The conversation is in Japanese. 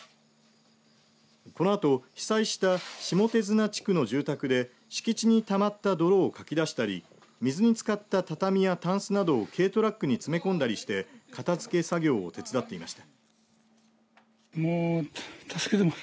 このあと被災した下手綱地区の住宅で敷地にたまった泥をかき出したり水につかった畳やたんすなどを軽トラックに積み込んだりして片づけ作業を手伝っていました。